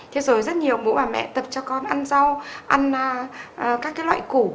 thế rồi rất nhiều bố bà mẹ tập cho con ăn rau ăn các cái loại củ